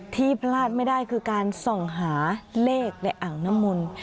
ที่พลาดไม่ได้คือการส่องหาเลขในอ่างน้ำมนต์